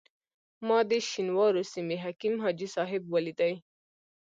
ما د شینوارو سیمې حکیم حاجي صاحب ولیدی.